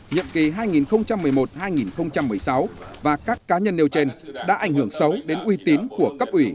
nhiệm kỳ hai nghìn một mươi một hai nghìn một mươi sáu và các cá nhân nêu trên đã ảnh hưởng xấu đến uy tín của cấp ủy